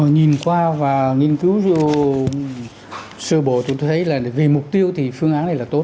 nhìn qua và nghiên cứu sơ bộ chúng tôi thấy là vì mục tiêu thì phương án này là tốt